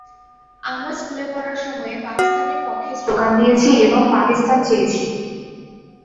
আমরা স্কুলে পড়ার সময়ে পাকিস্তানের পক্ষে স্লোগান দিয়েছি এবং পাকিস্তান চেয়েছি।